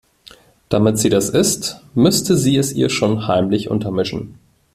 Damit sie das isst, müsste sie es ihr schon heimlich untermischen.